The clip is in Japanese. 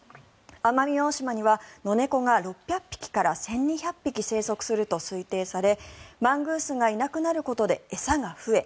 奄美大島にはノネコが６００匹から１２００匹生息すると推定されマングースがいなくなることで餌が増え